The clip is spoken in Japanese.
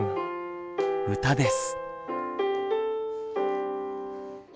歌です。